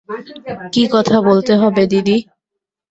কী কথা বলতে হবে দিদি?